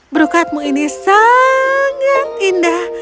berukatmu ini sengen indah